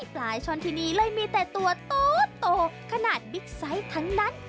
ปลาช่อนที่นี่เลยมีแต่ตัวโตขนาดบิ๊กไซต์ทั้งนั้น